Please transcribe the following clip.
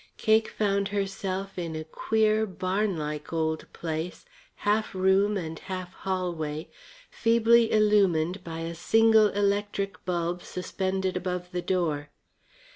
Cake found herself in a queer, barnlike place, half room and half hallway, feebly illumined by a single electric bulb suspended above the door.